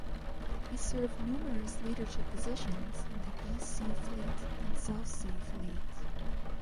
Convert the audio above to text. He served numerous leadership positions in the East Sea Fleet and South Sea Fleet.